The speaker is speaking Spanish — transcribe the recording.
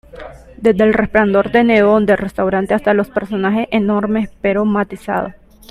Desde el resplandor de neón del restaurante, hasta los personajes enormes pero matizados".